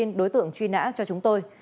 và đối tượng truy nã cho chúng tôi